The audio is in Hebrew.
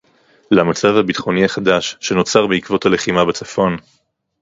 למצב הביטחוני החדש שנוצר בעקבות הלחימה בצפון